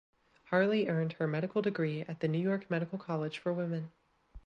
Harley earned her medical degree at the New York Medical College for Women.